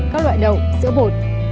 các loại đậu sữa bột